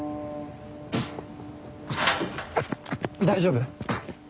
大丈夫？